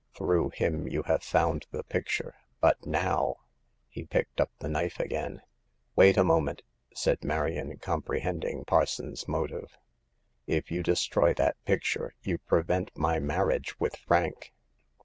Through him you have found the picture ; but now " He picked up the knife again. "Wait a moment !" said Marion, comprehend ing Parsons's motive ; "if you destroy that pic ture, you prevent my marriage with Frank."